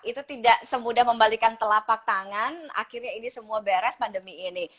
itu tidak semudah membalikan telapak tangan akhirnya ini semua beres pandemi ini